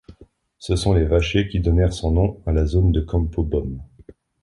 Ce sont les vachers qui donnèrent son nom à la zone de Campo Bom.